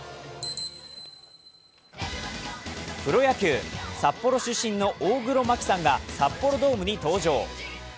プロ野球、札幌出身の大黒摩季さんが札幌ドームに登場。